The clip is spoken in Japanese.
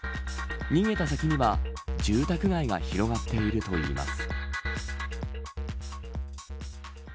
逃げた先には住宅街が広がっているといいます。